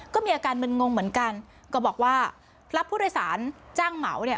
ก็มีอาการมึนงงเหมือนกันก็บอกว่ารับผู้โดยสารจ้างเหมาเนี่ย